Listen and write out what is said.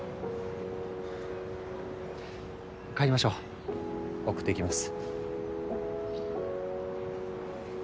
帰りましょう送っていきます。